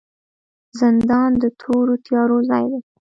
زندان د تورو تیارو ځای دی